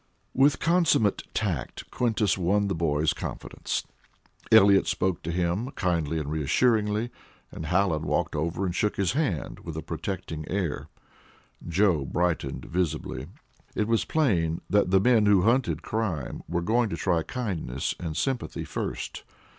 With consummate tact Quintus won the boy's confidence. Elliott spoke to him, kindly and reassuringly; and Hallen walked over and shook his hand with a protecting air. Joe brightened visibly. It was plain that the men who hunted crime were going to try kindness and sympathy first.